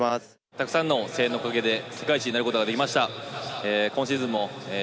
たくさんの声援のおかげで世界一になることができました。